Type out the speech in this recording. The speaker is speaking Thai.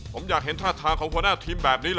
ผมอยากเห็นท่าทางของหัวหน้าทีมแบบนี้เหรอ